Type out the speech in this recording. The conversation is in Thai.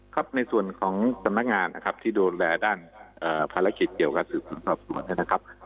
ครับในส่วนของสำนักงานนะครับที่โดนและด้านภารกิจเกี่ยวกับสินค้นสำหรับส่วนด้านนะครับ